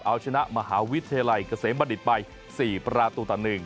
เอาชนะมหาวิทยาลัยเกษมบัณฑิตไป๔ประตูต่อ๑